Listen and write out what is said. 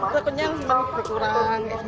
sepenuhnya harus dikurang